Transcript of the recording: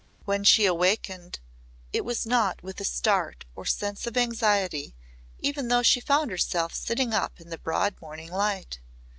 When she wakened it was not with a start or sense of anxiety even though she found herself sitting up in the broad morning light.